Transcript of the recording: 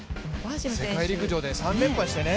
世界陸上で３連覇ですね。